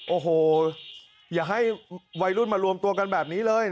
โอ้โหอย่าให้วัยรุ่นมารวมตัวกันแบบนี้เลย